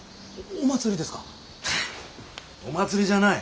お祭りじゃない。